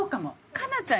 佳菜ちゃん